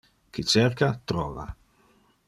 Qui cerca, trova.